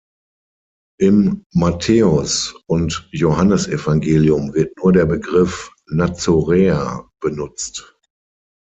Im Matthäus- und Johannesevangelium wird nur der Begriff "Nazoräer" benutzt.